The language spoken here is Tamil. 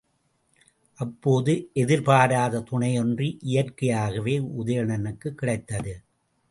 அப்போது எதிர்பாராத துணை ஒன்று இயற்கையாகவே உதயணனுக்குக் கிடைத்தது.